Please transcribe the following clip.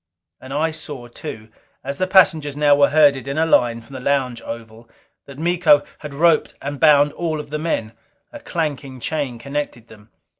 And I saw too, as the passengers now were herded in a line from the lounge oval, that Miko had roped and bound all of the men, a clanking chain connected them.